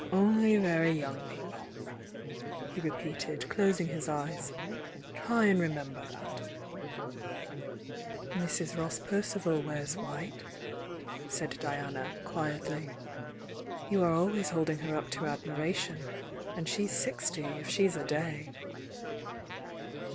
"Only very young p^ ple," he repeated, closing his eyes. Try and re ""^■Mrs Ross Percival wears white," said Dia na, quietly "You are always holding her up to admira tion. And she's sixty, if she's a day.